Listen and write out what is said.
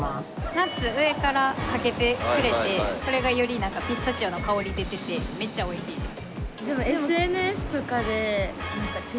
ナッツ上からかけてくれてこれがよりなんかピスタチオの香り出ててめっちゃおいしいです。